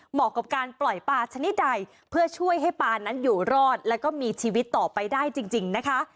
กับการปล่อยปลาชนิดใดเพื่อช่วยให้ปลานั้นอยู่รอดแล้วก็มีชีวิตต่อไปได้จริงนะคะ